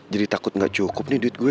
jadi takut gak cukup nih duit gue